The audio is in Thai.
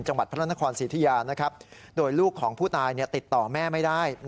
จังหวัดพระนครศรีธุยาโดยลูกของผู้ตายติดต่อแม่ไม่ได้